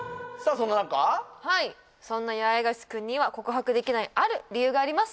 その中はいそんな八重樫君には告白できないある理由があります